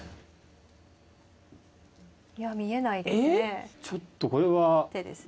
見えないですね。